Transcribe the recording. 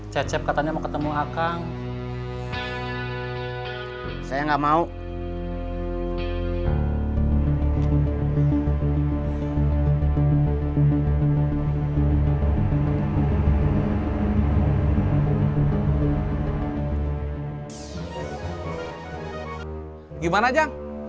sampai jumpa di video selanjutnya